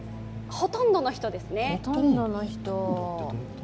ほとんどの人ですね。